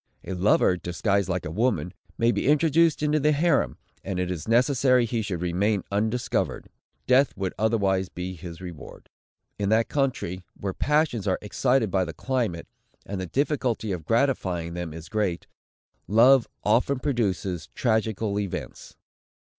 A lover, disguised like a woman, may be introduced into the harem, and it is necessary he should remain undiscovered; death would otherwise be his reward. In that country, where the passions are excited by the climate, and the difficulty of gratifying them is great, love often produces tragical events.